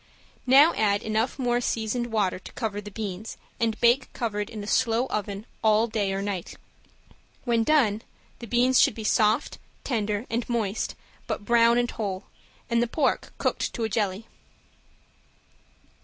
Now add enough more seasoned hot water to cover the beans, and bake covered in a slow oven all day or night. When done the beans should be soft, tender and moist but brown and whole, and the pork cooked to a jelly.